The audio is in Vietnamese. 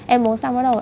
em uống xong bắt đầu